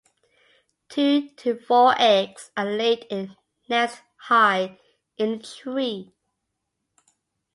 Two to four eggs are laid in a nest high in a tree.